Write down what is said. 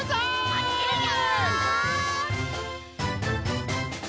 まってるよ！